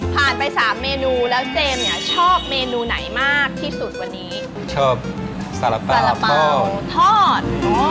ไปสามเมนูแล้วเจมส์เนี่ยชอบเมนูไหนมากที่สุดวันนี้ชอบสาระเป๋าทอด